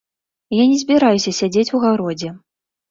Я не збіраюся сядзець у гародзе.